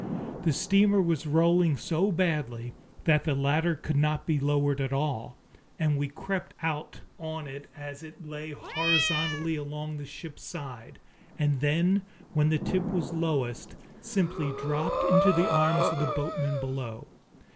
The steamer was rolling so badly that the ladder could not be lowered at all, and we crept out on it as it lay horizontally along the ship's side, and then, when the tip was lowest, simply dropped into the arms of the boatmen below.